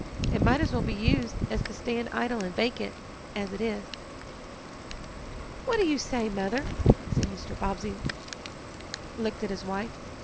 It might as well be used as to stand idle and vacant, as it is." "What do you say, Mother?" and Mr. Bobbsey looked at his wife.